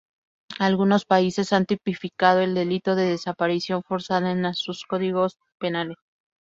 Algunos países han tipificado el delito de desaparición forzada en sus códigos penales.